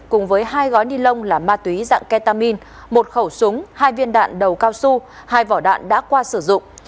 cùng với hai gói ni lông là ma túy dạng ketamin một khẩu súng hai viên đạn đầu cao su hai vỏ đạn đã qua sử dụng